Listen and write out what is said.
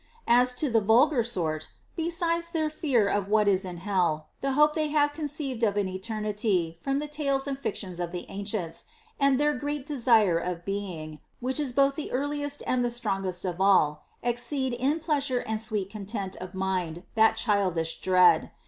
26. As to the vulgar sort, besides their fear of what is in hell, the hope they have conceived of an eternity from the tales and fictions of the ancients, and their great desire of being, which is both the earliest and the strongest of all, exceed in pleasure and sweet content of mind that childish dread.